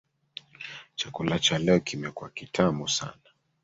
Chakula cha leo kimekuwa kitamu sana.